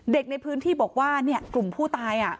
เด็กในพื้นที่บอกว่าเนี่ยกลุ่มผู้ตายอ่ะ